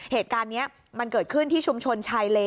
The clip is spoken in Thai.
เหตุการณ์นี้มันเกิดขึ้นที่ชุมชนชายเล